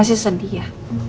masih sedih ya